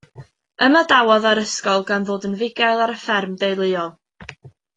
Ymadawodd â'r ysgol gan ddod yn fugail ar y fferm deuluol.